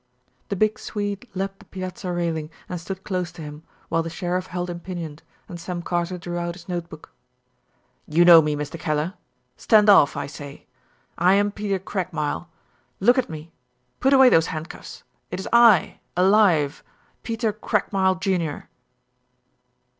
The big Swede leaped the piazza railing and stood close to him, while the sheriff held him pinioned, and Sam Carter drew out his notebook. "You know me, Mr. Kellar, stand off, I say. I am Peter Craigmile. Look at me. Put away those handcuffs. It is I, alive, Peter Craigmile, Jr."